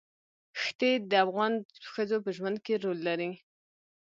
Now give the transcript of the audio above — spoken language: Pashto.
ښتې د افغان ښځو په ژوند کې رول لري.